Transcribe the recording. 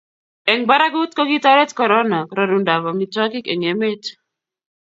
eng' barakut, ko kitoret korona rorundo tab amitwogik eng' emet.